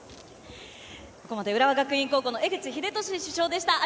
浦和学院高校の江口英寿主将でした。